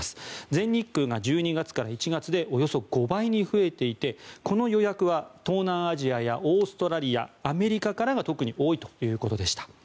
全日空が１２月から１月でおよそ５倍に増えていてこの予約は東南アジアやオーストラリア、アメリカからが特に多いということでした。